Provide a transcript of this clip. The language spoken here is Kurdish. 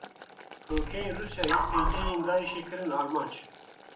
Firokeyên Rûsyayê pêgehên Daişê kirin armanc.